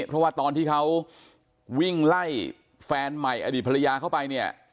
เพราะว่าตอนที่เขาวิ่งไล่แฟนใหม่อดีตภรรยาเข้าไปเนี่ย